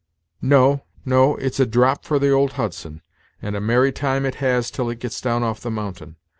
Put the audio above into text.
"No, no; it's a drop for the old Hudson, and a merry time it has till it gets down off the mountain.